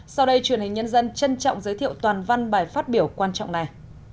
sau đây truyền hình nhân dân trân trọng giới thiệu toàn văn bài phát biểu quan trọng này